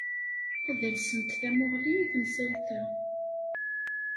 Ad alsent tamuɣli i temsalt-a.